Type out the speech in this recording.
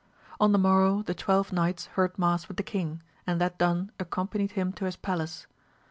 On the morrow the twelve knights heard mass with the king, and that done accompanied him to his palace.